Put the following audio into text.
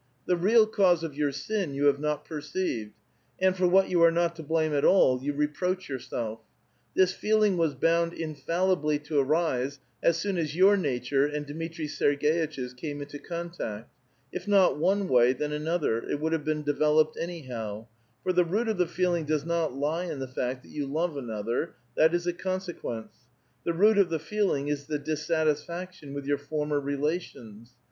The real cause of your sin you have not perceived ; and, for what you are not to blame at all, you reproach yourself. This feeling was bound infallibly to arise as soon as your nature aud Dmitri Serg^itch*s came into contact; if not one way, then another, it would have b^en developed anyhow ; for the root of the feeling does not lie in the fact that vou love another ; that is a consequence : the root of the feeling is the dissatisfaction with your former relations.